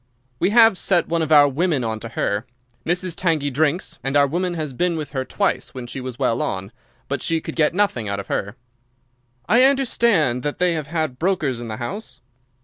"We have set one of our women on to her. Mrs. Tangey drinks, and our woman has been with her twice when she was well on, but she could get nothing out of her." "I understand that they have had brokers in the house?"